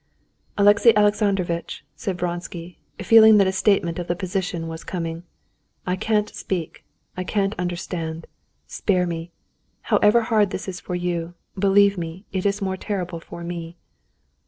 "Alexey Alexandrovitch," said Vronsky, feeling that a statement of the position was coming, "I can't speak, I can't understand. Spare me! However hard it is for you, believe me, it is more terrible for me."